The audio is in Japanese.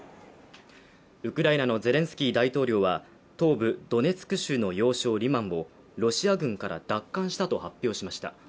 ウクライナのゼレンスキー大統領は東部ドネツク州の要衝・リマンをロシア軍から奪還したと発表しました。